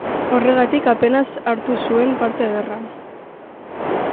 Horregatik apenas hartu zuen parte gerran.